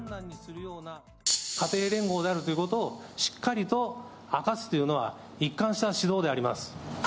家庭連合であるということを、しっかりと明かすというのは、一貫した指導であります。